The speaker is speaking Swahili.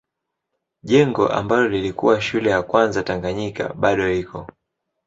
Jengo ambalo lilikuwa shule ya kwanza Tanganyika bado iko.